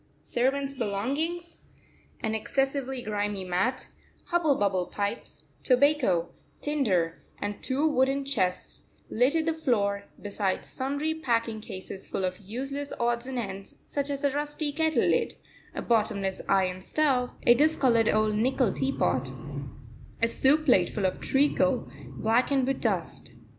Servants' belongings, an excessively grimy mat, hubble bubble pipes, tobacco, tinder, and two wooden chests littered the floor, besides sundry packing cases full of useless odds and ends, such as a rusty kettle lid, a bottomless iron stove, a discoloured old nickel teapot, a soup plate full of treacle blackened with dust.